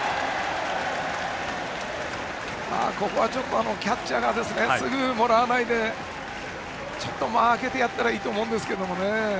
ここは、キャッチャーがすぐもらわないでちょっと間を空けてあげたらいいと思うんですけどね。